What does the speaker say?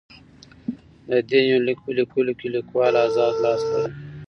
د دې يونليک په ليکلوکې ليکوال اذاد لاس لري.